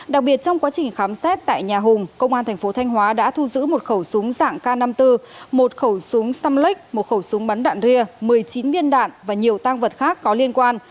đặc biệt trong quá trình khám xét tại nhà hùng công an thành phố thanh hóa đã thu giữ một khẩu súng dạng k năm mươi bốn một khẩu súng xăm lách một khẩu súng bắn đạn ria một mươi chín viên đạn và nhiều tang vật khác có liên quan